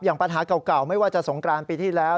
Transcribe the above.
ปัญหาเก่าไม่ว่าจะสงกรานปีที่แล้ว